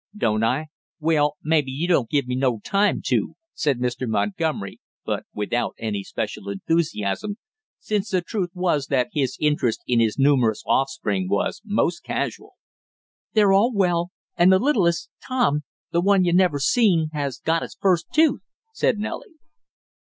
"Don't I? Well, maybe you don't give me no time to!" said Mr. Montgomery, but without any special enthusiasm, since the truth was that his interest in his numerous offspring was most casual. "They're all well, and the littlest, Tom the one you never seen has got his first tooth!" said Nellie.